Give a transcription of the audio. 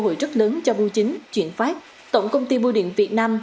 hội rất lớn cho bưu chính chuyển phát tổng công ty bưu điện việt nam